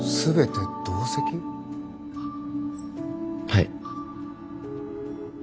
はい。